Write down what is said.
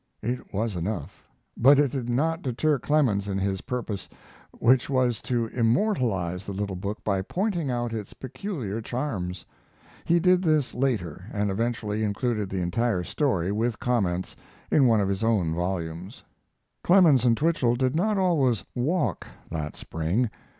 It was enough. But it did not deter Clemens in his purpose, which was to immortalize the little book by pointing out its peculiar charms. He did this later, and eventually included the entire story, with comments, in one of his own volumes. Clemens and Twichell did not always walk that spring.